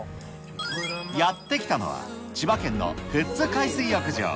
やって来たのは、千葉県の富津海水浴場。